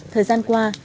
thời gian qua